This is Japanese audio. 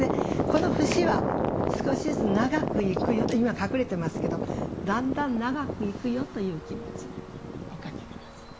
この節は少しずつ長く今隠れてますけどだんだん長くいくよという気持ちでお描き下さい。